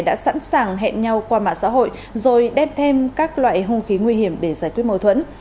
đã tìm ra xã hội rồi đem thêm các loại hung khí nguy hiểm để giải quyết mâu thuẫn